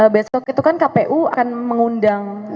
besok itu kan kpu akan mengundang